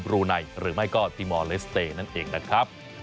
รูไนหรือไม่ก็ตีมอลเลสเตย์นั่นเองนะครับ